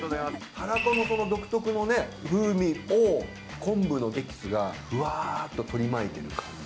たらこのその独特のね風味を昆布のエキスがふわっと取り巻いてる感じ。